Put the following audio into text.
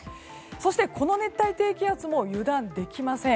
そして、この熱帯低気圧も油断できません。